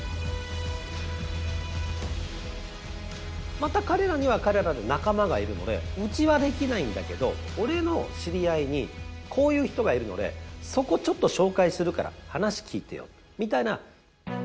また彼らには彼らで仲間がいるので「うちはできないんだけど俺の知り合いにこういう人がいるのでそこちょっと紹介するから話聞いてよ」みたいな。